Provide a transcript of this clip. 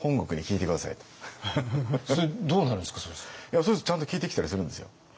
そうするとちゃんと聞いてきたりするんですよ。